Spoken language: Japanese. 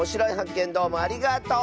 けんどうもありがとう！